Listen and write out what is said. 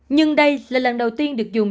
nhưng đây là lần đầu tiên được dùng